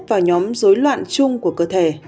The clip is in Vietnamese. vào nhóm rối loạn chung của cơ thể